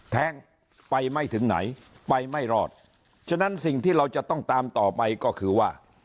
แท้งไปไม่ถึงไหนไปไม่รอดฉะนั้นสิ่งที่เราจะต้องตามต่อไปก็คือว่า